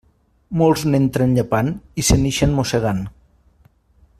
Molts n'entren llepant i se n'ixen mossegant.